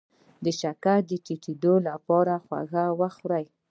د شکر د ټیټیدو لپاره خواږه وخورئ